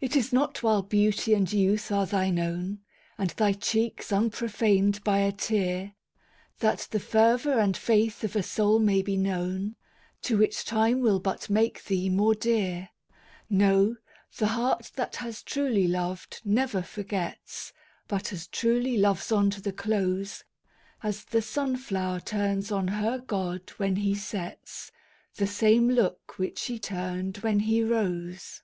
It is not while beauty and youth are thine own, And thy cheeks unprofaned by a tear, That the fervor and faith of a soul may be known, To which time will but make thee more dear! No, the heart that has truly loved never forgets, But as truly loves on to the close, As the sunflower turns on her god when he sets The same look which she turned when he rose!